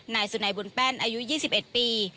นายสุนัยบุญแป้นอายุ๒๑ปี